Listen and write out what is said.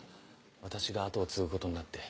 私が後を継ぐことになって。